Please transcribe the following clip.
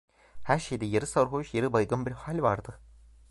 Her şeyde yarı sarhoş, yarı baygın bir hal vardı.